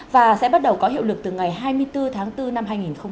và sẽ bắt đầu có hiệu lực từ ngày hai mươi bốn tháng bốn năm hai nghìn hai mươi